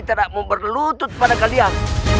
tidak mau berlutut pada kalian